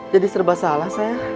jadi serba salah saya